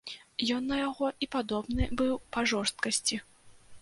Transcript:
Ён на яго і падобны быў па жорсткасці.